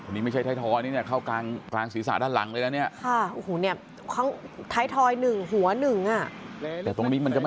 นี่เป็นเพื่อใครพบเจอนะครับเหตุการณ์นี้เป็นเพื่อ